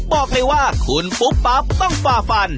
บอกเลยว่าคุณปุ๊บปั๊บต้องฝ่าฟัน